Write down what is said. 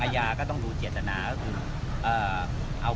ไม่ใช่นี่คือบ้านของคนที่เคยดื่มอยู่หรือเปล่า